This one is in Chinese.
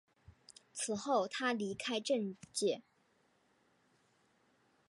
此后他离开政界。